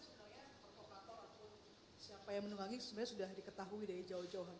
sebenarnya provokator atau siapa yang menunggangi sebenarnya sudah diketahui dari jauh jauhan